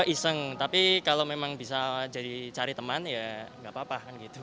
iseng tapi kalau memang bisa cari teman ya nggak apa apa kan gitu